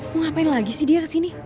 mau ngapain lagi sih dia kesini